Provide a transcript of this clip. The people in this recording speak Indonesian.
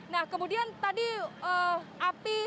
nah kemudian tadi api